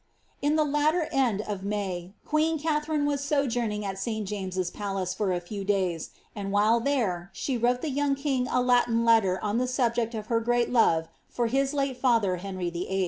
In the latter end of May, queen Katharine was sojourning at St Jameses Palace for a few days, and, while there, she wrote the young king a Latin letter on the subject of her great love for his late father Henry Viil.